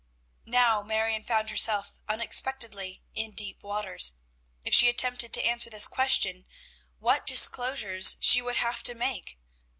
Now Marion found herself unexpectedly in deep waters. If she attempted to answer this question, what disclosures she would have to make!